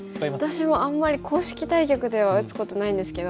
私もあんまり公式対局では打つことないんですけど。